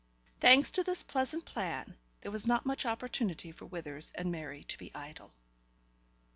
Thanks to this pleasant plan, there was not much opportunity for Withers and Mary to be idle.